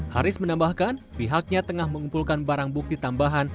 haris menambahkan pihaknya tengah mengumpulkan barang bukti tambahan